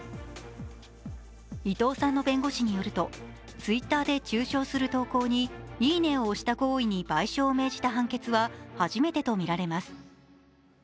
伊藤さんの弁護士によるとＴｗｉｔｔｅｒで中傷する投稿に「いいね」を押した行為に賠償を命じた判決は初めてとみられます。